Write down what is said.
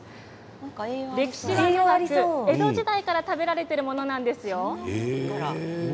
歴史が古く江戸時代から食べられてるものなんですよ。